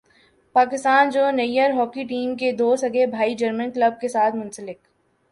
Pakistan junior hockey team کے دو سگے بھائی جرمن کلب کے ساتھ منسلک